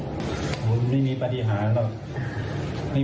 ไม่มีปฏิหารหรอกไม่มีปฏิหารเขาจะปฏิหารจัดการยังไง